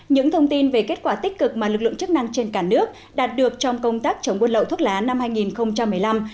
những thông tin về kết quả tích cực mà lực lượng chức năng trên cả nước đạt được trong công tác chống buôn lậu thuốc lá năm hai nghìn một mươi năm